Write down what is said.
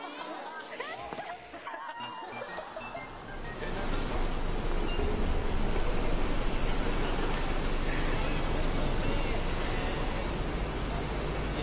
えっ⁉どうしたん？ということで失敗ということですね。